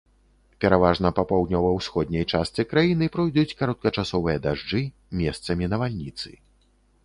Пераважна па паўднёва-ўсходняй частцы краіны пройдуць кароткачасовыя дажджы, месцамі навальніцы.